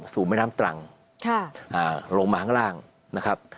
สู่แม่น้ำตรังลงมาข้างล่างนะครับ